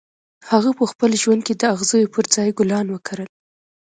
هغه په خپل ژوند کې د اغزیو پر ځای ګلان وکرل